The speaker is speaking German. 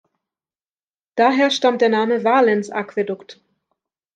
Daher stammt der Name Valens-Aquädukt.